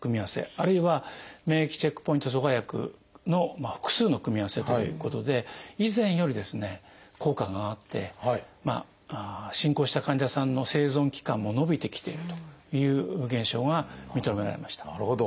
あるいは免疫チェックポイント阻害薬の複数の組み合わせということで以前より効果があって進行した患者さんの生存期間も延びてきているという現象が認められました。